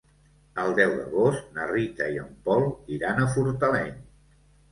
El deu d'agost na Rita i en Pol iran a Fortaleny.